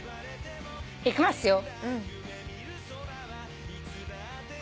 いきますよ。